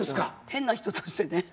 変な人としてね。